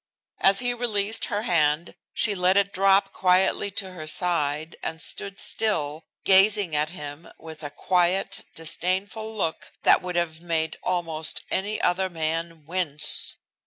As he released her hand she let it drop quietly to her side and stood still, gazing at him with a quiet, disdainful look that would have made almost any other man wince.